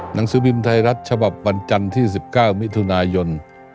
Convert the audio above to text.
นังสือบิมทายรัฐฉบับบรรจันทร์ที่๑๙มิถุนายน๒๕๓๒